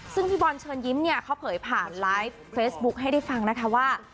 ซึ่งพี่บอลเชิญยิ้มเนี่ยเขาเผยผ่านไลฟ์เฟซบุ๊คให้ได้ฟังนะคะว่า